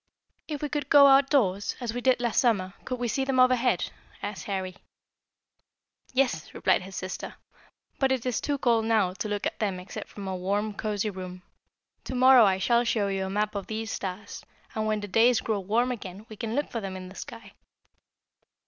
"If we could go out of doors, as we did last summer, could we see them overhead?" asked Harry. "Yes," replied his sister; "but it is too cold now to look at them except from a warm, cozy room. To morrow I shall show you a map of these stars, and when the days grow warm again we can look for them in the sky."